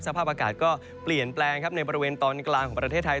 สภาพอากาศก็เปลี่ยนแปลงครับในบริเวณตอนกลางของประเทศไทย